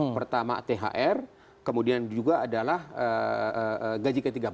pertama thr kemudian juga adalah gaji ke tiga puluh